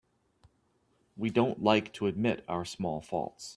We don't like to admit our small faults.